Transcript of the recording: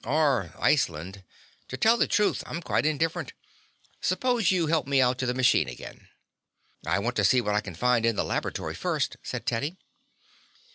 "Or Iceland. To tell the truth, I'm quite indifferent. Suppose you help me out to the machine again." "I want to see what I can find in the laboratory first," said Teddy.